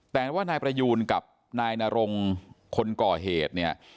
แต่ว่านายประยูนกับนายนรงคนก่อเหตุเนี่ย